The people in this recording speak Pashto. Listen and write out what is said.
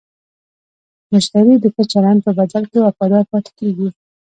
مشتری د ښه چلند په بدل کې وفادار پاتې کېږي.